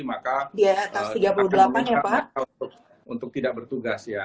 maka akan diperlengkapi untuk tidak bertugas ya